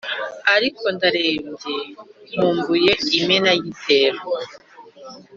ariko ndarembye, nkumbuye imenagitero